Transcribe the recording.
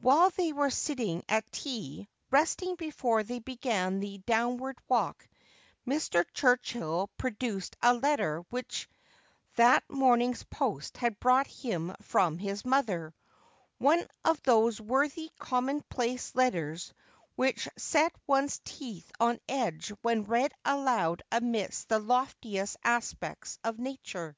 While they were sitting at tea, resting before they began the downward walk, Mr. Turchill produced a letter which that morning's post had brought him from his mother : one of those worthy common place letters which set one's teeth on edge when read aloud amidst the loftiest aspects of nature.